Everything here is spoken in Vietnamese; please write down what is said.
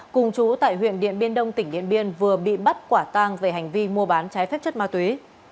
cùng chú tại huyện điện biên đông tỉnh điện biên vừa bị bắt quả tang về hành vi mua bán trái phép chất ma túy